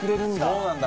そうなんだ。